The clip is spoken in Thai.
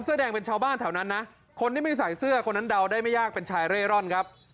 เสื้อแดงเป็นชาวบ้านแถวนั้นนะคนที่ไม่ใส่เสื้อคนนั้นเดาได้ไม่ยากเป็นชายเร่ร่อนครับ